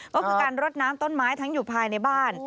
ก็คือการรดน้ำต้นไม้ทั้งอยู่ภายในบ้าน